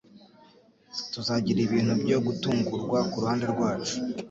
Tuzagira ibintu byo gutungurwa kuruhande rwacu.